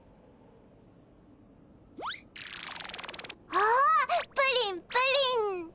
おプリンプリン。